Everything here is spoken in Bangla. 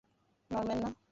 নরম্যান, না।